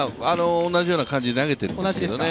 同じような感じで投げてるんでけすけどね。